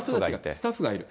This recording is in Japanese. スタッフがいる。